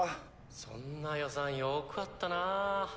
そんな予算よくあったなぁ。